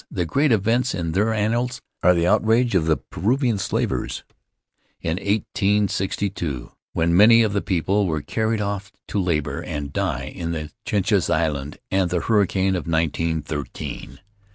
The great events in their annals are the outrage of the Peruvian slavers in eighteen sixty two, when many of the people were carried off to labor and die in the Chinchas Islands, and the hurricane of nineteen thirteen.